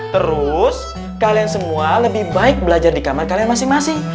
terus kalian semua lebih baik belajar di kamar kalian masing masing